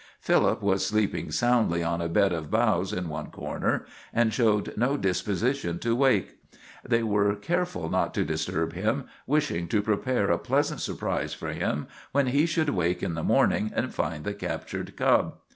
Philip was sleeping soundly on a bed of boughs in one corner, and showed no disposition to wake. They were careful not to disturb him, wishing to prepare a pleasant surprise for him when he should wake in the morning and find the captured cub.